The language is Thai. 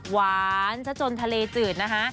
หวานจนทะเลจืดนะคะ